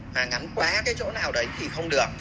hàng ngắn quá cái chỗ nào đấy thì không được